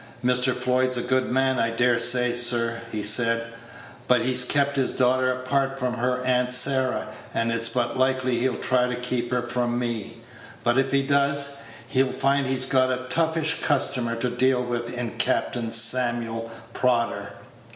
"Mr. Floyd's a good man, I dare say, sir," he said; "but he's kept his daughter apart from her aunt Sarah, and it's but likely he'll try to keep her from me. But if he does, he'll find he's got a toughish customer to deal with in Captain Samuel Prodder."